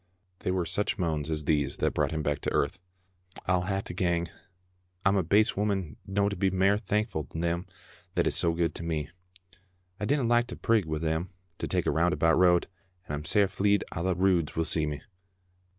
They were such moans as these that brought him back to earth :—'' I'll hae to gang ... I'm a base woman no' to be mair thankfu' to them that is so good to me ... I dinna like to prig wi' them to take a roundabout road, and I'm sair fleid a' the Roods will see me